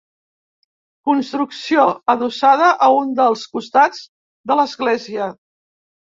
Construcció adossada a un dels costats de l'església.